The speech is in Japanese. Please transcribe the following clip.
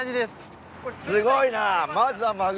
すごいな。